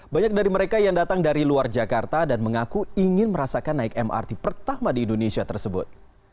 banyak dari mereka yang datang dari luar jakarta dan mengaku ingin merasakan naik mrt pertama di indonesia tersebut